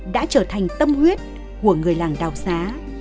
đã trở thành tâm huyết của người làng đào xá